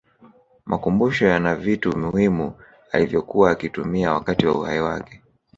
makumbusho yana vitu muhimu alivyokuwa akitumia wakati wa uhai wake